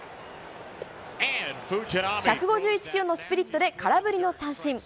１５１キロのスプリットで空振りの三振。